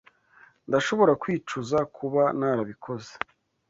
Ndashobora kwicuza kuba narabikoze.